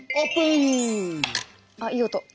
ああいい音。